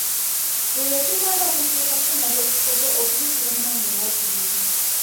Buli lwe tumala okuziika tunaaba ekigogo okubikira omwana ow'okubiri.